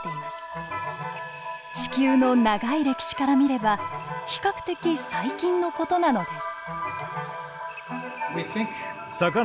地球の長い歴史から見れば比較的最近の事なのです。